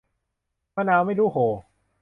มะนาวไม่รู้โห่